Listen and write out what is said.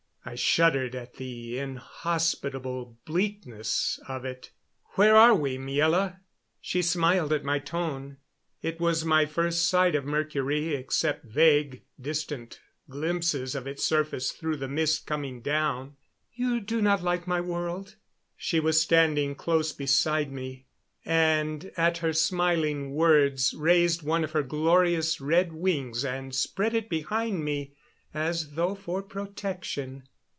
I shuddered at the inhospitable bleakness of it. "Where are we, Miela?" She smiled at my tone. It was my first sight of Mercury except vague, distant glimpses of its surface through the mist coming down. "You do not like my world?" She was standing close beside me, and at her smiling words raised one of her glorious red wings and spread it behind me as though for protection.